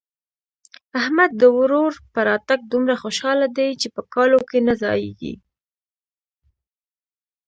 احمد د ورور په راتګ دومره خوشاله دی چې په کالو کې نه ځايېږي.